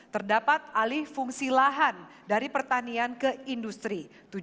terdapat alih fungsi lahan dari pertanian ke industri